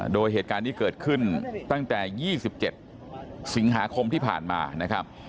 โดยเหตุการณ์นี้เกิดขึ้นตั้งแต่๒๗สิงหาคมที่ผ่านมานะครับ